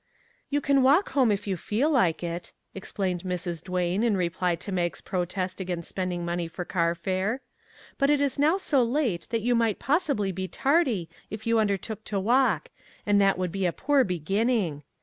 " You can walk home if you feel like it," ex plained Mrs. Duane in reply to Mag's protest against spending money for car fare, " but it is now so late that you might possibly be tardy if you undertook to walk, and that would be a poor beginning.